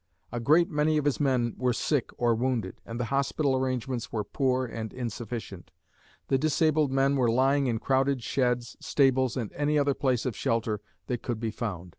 A great many of his men were sick or wounded, and the hospital arrangements were poor and insufficient. The disabled men were lying in crowded sheds, stables and any other places of shelter that could be found.